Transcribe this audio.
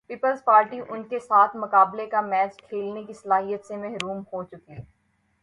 Peoples Party ان کے ساتھ مقابلے کا میچ کھیلنے کی صلاحیت سے محروم ہو چکی۔